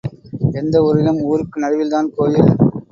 எந்த ஊரிலும், ஊருக்கு நடுவில்தான் கோயில்.